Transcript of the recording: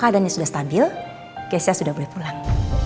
dia sudah stabil keisha sudah boleh pulang